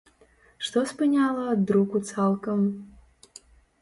Што спыняла ад друку цалкам?